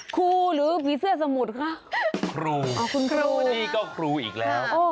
ครูหรือผีเสื้อสมุทรคะครูนี่ก็ครูอีกแล้ว